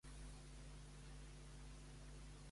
A Khan es va revoltar i fou derrotat i empresonat.